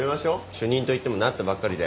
主任といってもなったばっかりで。